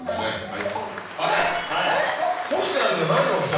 あれ⁉干してあるんじゃないのがきたよ。